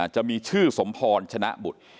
จะมีชื่อสมพรชนะบุตร